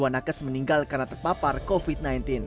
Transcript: dua nakes meninggal karena terpapar covid sembilan belas